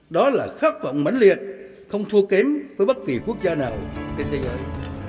đó là khát vọng mạnh liệt không thua kém với bất kỳ quốc gia nào trên thế giới